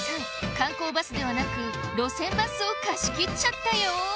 観光バスではなく路線バスを貸し切っちゃったよ